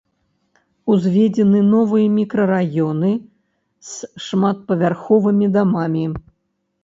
Узведзены новыя мікрараёны з шматпавярховымі дамамі.